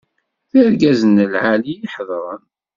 D irgazen lɛali i iḥeḍren.